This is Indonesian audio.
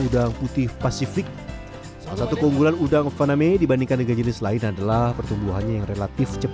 udang putih pasifik satu keunggulan udang paname dibandingkan dengan jenis lain adalah pertumbuhannya